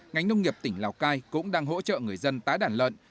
ngành nông nghiệp tỉnh lào cai cũng đang hỗ trợ người dân tái đàn lợn